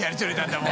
もう。